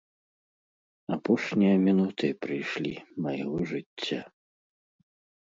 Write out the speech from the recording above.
Апошнія мінуты прыйшлі майго жыцця.